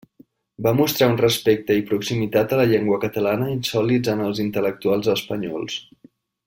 Va mostrar un respecte i proximitat a la llengua catalana insòlit en els intel·lectuals espanyols.